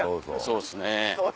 そうっすね。